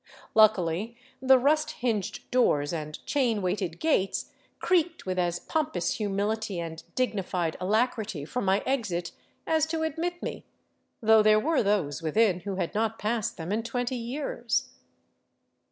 Luckily the rust hinged doors and chain weighted gates creaked with as pompous humility and dignified alacrity for my exit as to admit me, though there were those within who had not passed them in twenty years.